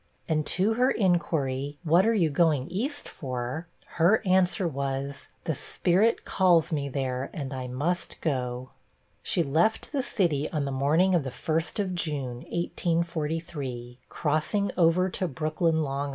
And to her inquiry, 'What are you going east for?' her answer was, 'The Spirit calls me there, and I must go.' She left the city on the morning of the 1st of June, 1843, crossing over to Brooklyn, L.I.